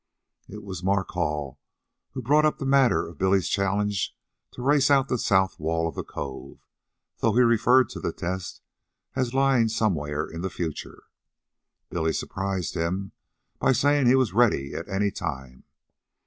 It was Mark Hall who brought up the matter of Billy's challenge to race out the south wall of the cove, though he referred to the test as lying somewhere in the future. Billy surprised him by saying he was ready at any time.